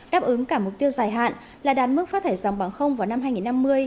đáp ứng cả mục tiêu dài hạn là đạt mức phát thải dòng bằng không vào năm hai nghìn năm mươi